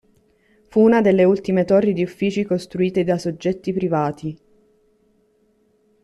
Fu una delle ultime torri di uffici costruite da soggetti privati.